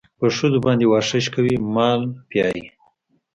پر ښځو باندې واښه شکوي مال پيايي.